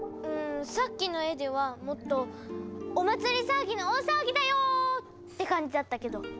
うんさっきの絵ではもっとお祭りさわぎの大さわぎだよ！って感じだったけど。